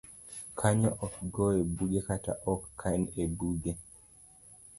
Kanyo ok goye buge kata ok kan e buge.